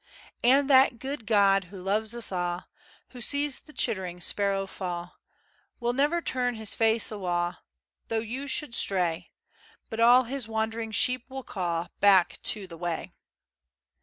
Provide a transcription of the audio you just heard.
And that guid God who loves us a', Who sees the chittering[C] sparrow fa', Will never turn his face awa', Though you should stray; But all his wandering sheep will ca' Back to the way.